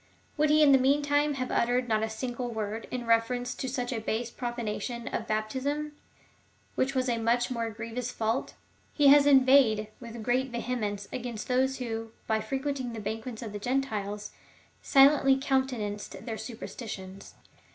Would he in the meantime have uttered not a single w^ord in reference to such a base profanation of baptism, which w^as a much more grievous fault ? He has inveighed with great vehemence against those who, by frequenting the banquets of the Gentiles, silently counte nanced their superstitions.